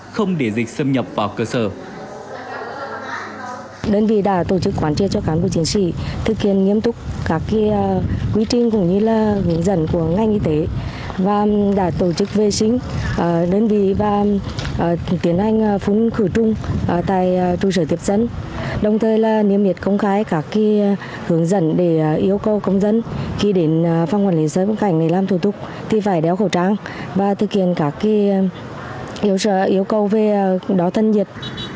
khi đến phòng quản lý xe bức cảnh để làm thủ tục thì phải đeo khẩu trang và thực hiện các yếu cầu về đau thân nhiệt